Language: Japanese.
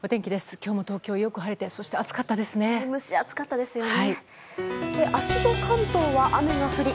今日も東京よく晴れてそして暑かったですね。